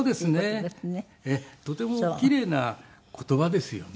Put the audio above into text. とても奇麗な言葉ですよね。